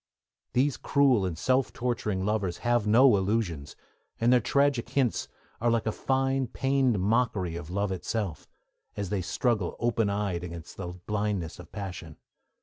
These cruel and self torturing lovers have no illusions, and their 'tragic hints' are like a fine, pained mockery of love itself, as they struggle open eyed against the blindness of passion.